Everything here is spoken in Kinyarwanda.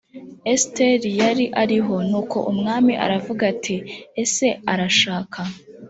esiteri yari ariho nuko umwami aravuga ati ese arashaka